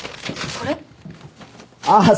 これ。